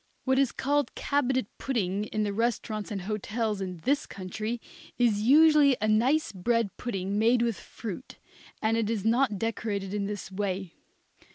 What is called cabinet pudding in the restaurants and hotels in this country is usually a nice bread pudding made with fruit, and it is not decorated in this way.